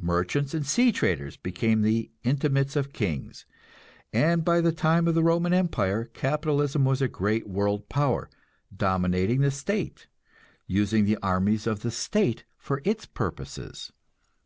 Merchants and sea traders became the intimates of kings, and by the time of the Roman empire, capitalism was a great world power, dominating the state, using the armies of the state for its purposes.